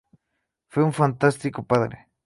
Fue un fantástico padre.